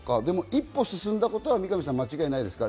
一歩、進んだことは三上さん、間違いないですか？